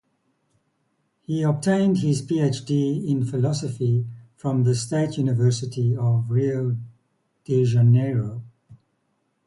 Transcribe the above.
He obtained his PhD in Philosophy from the State University of Rio de Janeiro.